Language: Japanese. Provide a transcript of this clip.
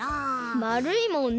まるいもんね。